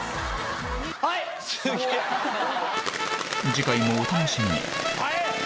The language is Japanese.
次回もお楽しみに！